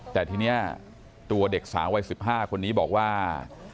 แต่ทีนี้ตัวเด็กสาววัย๑๕คนนี้บอกว่า